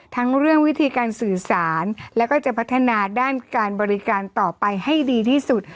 ทั้งเรื่องวิธีการสื่อสารแล้วก็จะพัฒนาด้านการบริการต่อไปให้ดีที่สุด